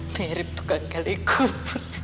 mirip tukang gali kubur